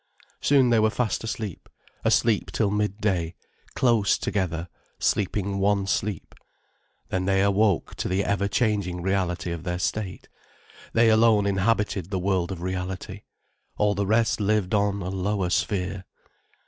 ] Soon they were fast asleep, asleep till midday, close together, sleeping one sleep. Then they awoke to the ever changing reality of their state. They alone inhabited the world of reality. All the rest lived on a lower sphere.